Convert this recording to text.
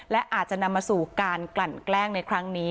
และอาจจะนำมาสู่การกลั่นแกล้งในครั้งนี้